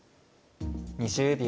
２０秒。